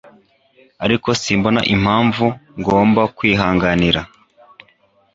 Ariko simbona impamvu igomba kwihanganira